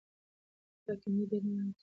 دا کمپیوټر ډېر نری او سپک دی.